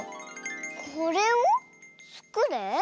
「これをつくれ」？